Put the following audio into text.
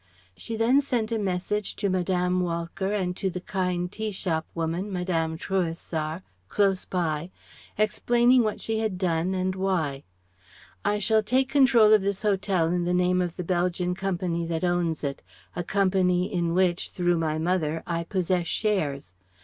She then sent a message to Mme. Walcker and to the kind tea shop woman, Mme. Trouessart, close by, explaining what she had done and why. "I shall take control of this hotel in the name of the Belgian Company that owns it, a Company in which, through my mother, I possess shares.